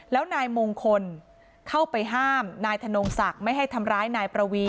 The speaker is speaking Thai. แล้วนายมงคลเข้าไปห้ามนายธนงศักดิ์ไม่ให้ทำร้ายนายประวี